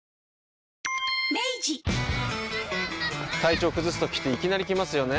体調崩すときっていきなり来ますよね。